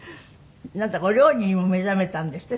なんだかお料理にも目覚めたんですって？